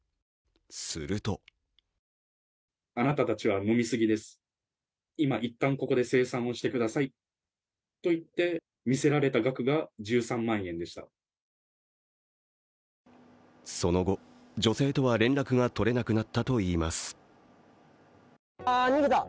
するとその後、女性とは連絡が取れなくなったといいます。